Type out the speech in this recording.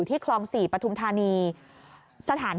ที่ครอง๔ปัทมธารีราชินักประชุม